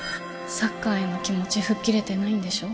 サッカーへの気持ち吹っ切れてないんでしょ？